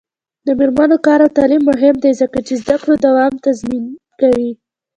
د میرمنو کار او تعلیم مهم دی ځکه چې زدکړو دوام تضمین کوي.